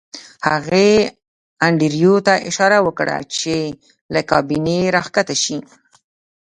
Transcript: هغې انډریو ته اشاره وکړه چې له کابینې راښکته شي